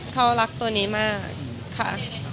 เขารักตัวนี้มากค่ะ